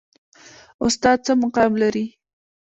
استاد څه مقام لري؟